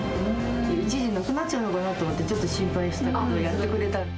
一時、なくなっちゃうのかなと思ってちょっと心配したけどやってくれた。